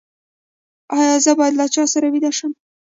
ایا زه باید له چا سره ویده شم؟